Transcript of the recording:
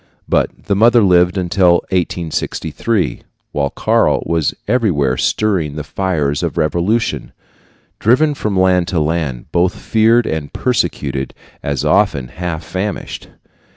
But the mother lived until 1863, while Karl was everywhere stirring the fires of revolution, driven from land to land, both feared and persecuted, and often half famished.